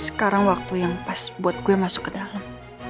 sekarang waktu yang pas buat gue masuk ke dalam